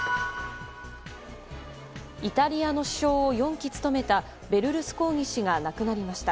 イタリアの首相を４期務めたベルルスコーニ氏が亡くなりました。